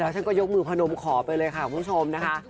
ท่านก็ยกมือพนมขอไปเลยค่ะคุณผู้ชมนะคะ